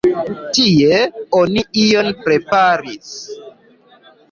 Tie oni ion preparis.